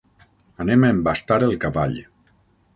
Anem a embastar el cavall.